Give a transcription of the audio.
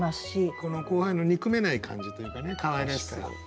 この後輩の憎めない感じというかねかわいらしさ。